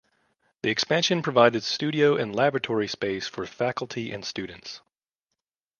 The expansion provided studio and laboratory space for faculty and students.